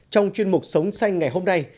trong chuyên mục sống xanh ngày hôm nay